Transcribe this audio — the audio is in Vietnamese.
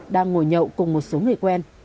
đang ngồi nhậu cùng một số người quen